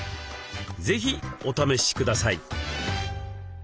是非お試しください。